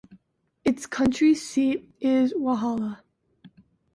Its county seat is Walhalla.